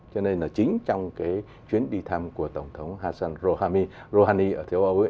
cho nên là chính trong cái chuyến đi thăm của tổng thống hassan rouhani ở châu âu